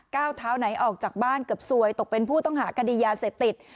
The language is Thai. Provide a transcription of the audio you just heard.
ก้าวเท้าไหนออกจากบ้านเกือบซวยตกเป็นผู้ต้องหาคดียาเสพติด